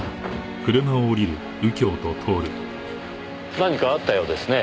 何かあったようですねぇ。